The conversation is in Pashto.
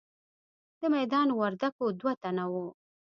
د میدان وردګو دوه تنه وو.